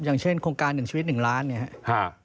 อย่างเช่นโครงการหนึ่งชีวิตหนึ่งล้านเนี่ยครับ